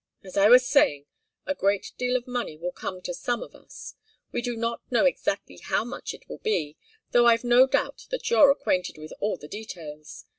As I was saying, a great deal of money will come to some of us. We do not know exactly how much it will be, though I've no doubt that you're acquainted with all the details.